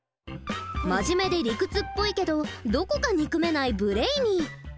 真面目で理屈っぽいけどどこか憎めないブレイニー。